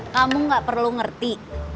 kamu gak perlu ngerti